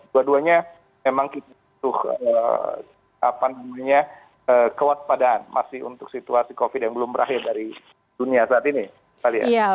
dua duanya memang kita butuh kewaspadaan masih untuk situasi covid yang belum berakhir dari dunia saat ini